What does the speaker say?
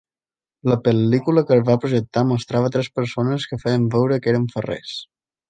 La pel·lícula que es va projectar mostrava tres persones que feien veure que eren ferrers.